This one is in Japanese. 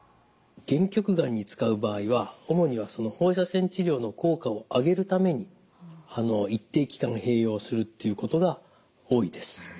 限局がんに使う場合は主には放射線治療の効果を上げるために一定期間併用するということが多いです。